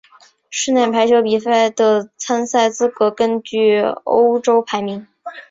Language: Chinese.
室内排球比赛的参赛资格根据欧洲排名。